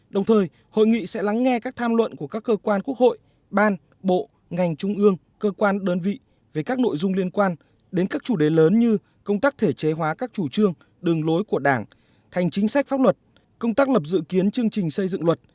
đồng thời hội nghị sẽ lắng nghe các tham luận của các cơ quan quốc hội ban bộ ngành trung ương cơ quan đơn vị về các nội dung liên quan đến các chủ đề lớn như công tác thể chế hóa các chủ trương đường lối của đảng thành chính sách pháp luật công tác lập dự kiến chương trình xây dựng luật